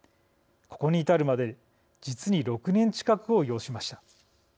ここに至るまで実に６年近くを要しました。